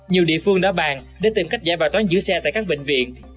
nhiều địa phương đã bàn để tìm cách giải bài toán giữ xe tại các bệnh viện